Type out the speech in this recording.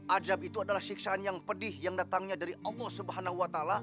ajab itu adalah siksaan yang pedih yang datangnya dari allah swt